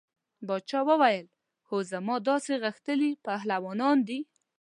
باچا وویل هو زما داسې غښتلي پهلوانان دي.